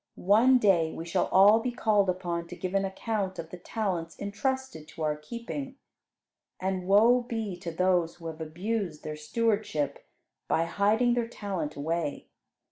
One day we shall all be called upon to give an account of the talents entrusted to our keeping, and woe be to those who have abused their stewardship by hiding their talent away.